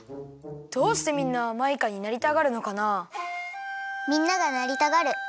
どうしてみんなマイカになりたがるのかな？